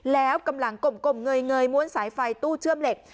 แล้วกำลังกลมเงยม้วนสายไฟตู้เชื่อมเหล็ก